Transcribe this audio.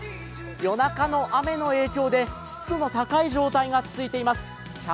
夜中の雨の影響で湿度の高い状態が続いています。